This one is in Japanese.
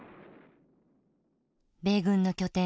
米軍の拠点